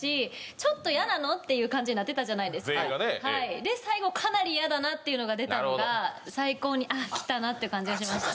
ちょっと「嫌なの？」っていう感じになってたじゃないですか全員がねはいで最後かなり嫌だなっていうのが出たのが最高にきたなって感じがしました